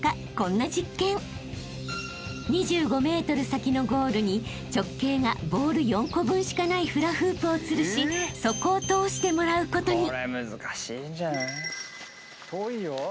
［２５ｍ先のゴールに直径がボール４個分しかないフラフープをつるしそこを通してもらうことに］